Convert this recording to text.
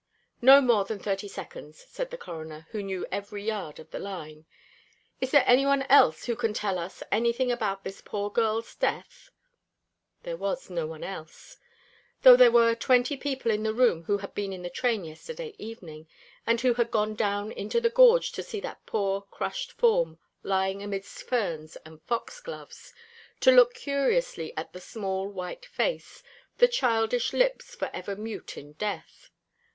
"Not more than thirty seconds," said the Coroner, who knew every yard of the line. "Is there any one else here who can tell us anything about this poor girl's death?" There was no one else; though there were twenty people in the room who had been in the train yesterday evening, and who had gone down into the gorge to see that poor crushed form lying amidst ferns and foxgloves, to look curiously at the small white face, the childish lips for ever mute in death.